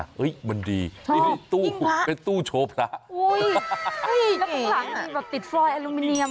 เฮ้ยมันดีนี่ตู้เป็นตู้โชว์พระอุ้ยแล้วข้างหลังมีแบบติดฟรอยอลูมิเนียม